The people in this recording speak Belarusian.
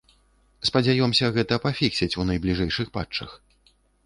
Спадзяёмся, гэта пафіксяць у найбліжэйшых патчах!